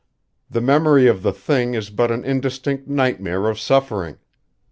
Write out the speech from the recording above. The memory of the thing is but an indistinct nightmare of suffering.